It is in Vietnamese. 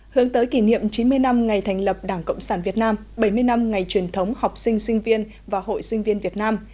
hướng tới kỷ niệm chín mươi năm ngày thành lập đảng cộng sản việt nam bảy mươi năm ngày truyền thống học sinh sinh viên và hội sinh viên việt nam